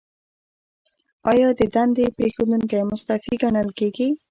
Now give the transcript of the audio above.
ایا د دندې پریښودونکی مستعفي ګڼل کیږي؟